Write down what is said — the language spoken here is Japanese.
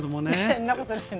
そんなことない。